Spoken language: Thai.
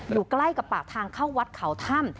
อยู่ใกล้กับปากทางเข้าวัดเขาถ้ำ